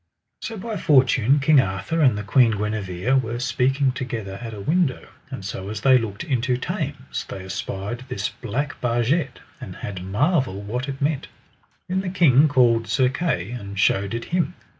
So by fortune King Arthur and the Queen Guenever were speaking together at a window, and so as they looked into Thames they espied this black barget, and had marvel what it meant. Then the king called Sir Kay, and showed it him.